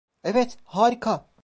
Evet, harika.